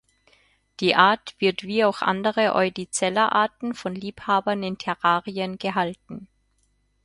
Die Art wird, wie auch andere "Eudicella"-Arten, von Liebhabern in Terrarien gehalten.